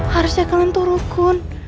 harusnya kalian turukun